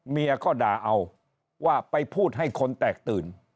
เมียก็ด่าเอาว่าไปพูดให้คนแตกตื่น